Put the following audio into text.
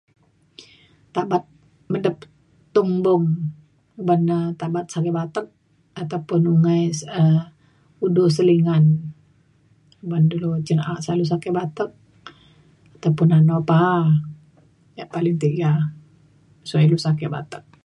tabat medep tung bung ban na tabat sakit batek ataupun ungai s- um udu selingan ban dulu cin na’a selalu sakit batek ataupun ano pa’a yak paling tiga sio ilu sakit batek